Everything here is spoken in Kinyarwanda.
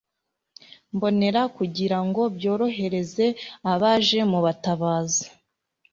mbonera kugira ngo byorohereze abaje mu butabazi